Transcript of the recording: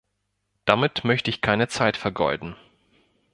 Damit möchte ich keine Zeit vergeuden.